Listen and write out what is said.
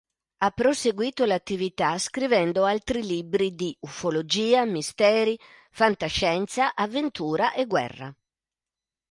Ha proseguito l'attività scrivendo altri libri di ufologia, misteri, fantascienza, avventura e guerra.